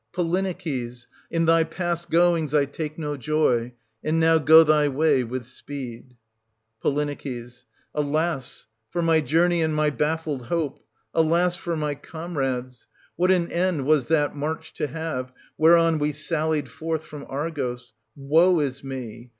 Polyneices, in thy past goings I take no joy ; and now go thy way with speed. Po. Alas, for my journey and my baffled hope: 1400 alas, for my comrades ! What an end was that march to have, whereon we sallied forth from Argos: woe is me